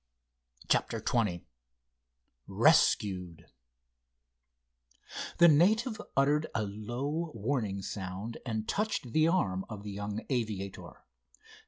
CHAPTER XX RESCUED The native uttered a low, warning sound, and touched the arm of the young aviator.